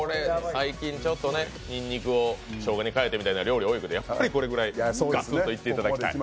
最近にんにくをしょうがに変えたりする料理があるけどやっぱりこれぐらいガツンといっていただきたい。